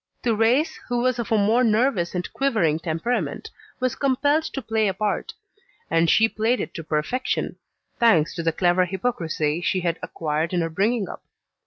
Thérèse, who was of a more nervous and quivering temperament, was compelled to play a part, and she played it to perfection, thanks to the clever hypocrisy she had acquired in her bringing up.